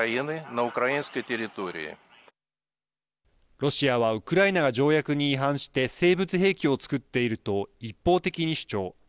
ロシアはウクライナが条約に違反して生物兵器をつくっていると一方的に主張。